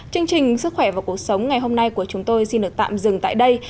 chương trình sức khỏe và cuộc sống ngày hôm nay của chúng tôi xin được tạm dừng tại đây